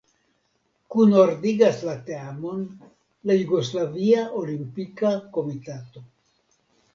Kunordigas la teamon la Jugoslavia Olimpika Komitato.